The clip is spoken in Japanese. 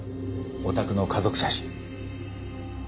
お宅の家族写真。